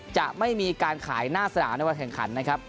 จะไม่มีการขายหน้าสนามในวันแข่งขันนะครับ